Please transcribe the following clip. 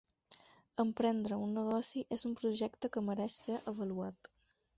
Emprendre un negoci és un projecte que mereix ser avaluat.